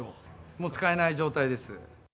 もう使えない状態です。